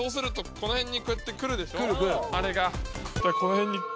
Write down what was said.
この辺に。